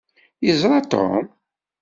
Yeẓṛa Tom?